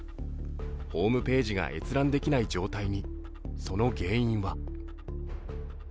ホームページが閲覧できない状態に。